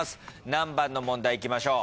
何番の問題いきましょう？